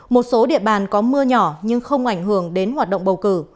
một số địa bàn có mưa nhỏ nhưng không ảnh hưởng đến hoạt động bầu cử